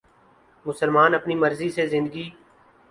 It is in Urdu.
مسلمان اپنی مرضی سے زندگی